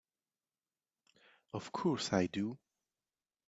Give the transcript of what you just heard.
Of course I do!